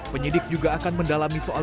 penyidik juga akan mendalami soal